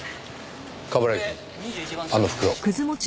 冠城くんあの袋。